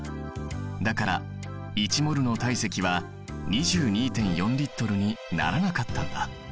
だから１ｍｏｌの体積は２２．４Ｌにならなかったんだ。